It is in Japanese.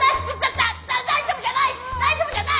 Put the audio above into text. だ大丈夫じゃない！